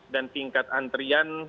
dan tingkat antrian